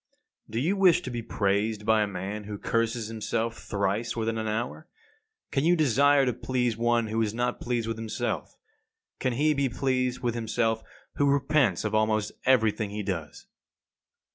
53. Do you wish to be praised by a man who curses himself thrice within an hour? Can you desire to please one who is not pleased with himself? Can he be pleased with himself who repents of almost everything he does?